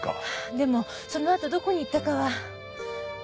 でもそのあとどこに行ったかは。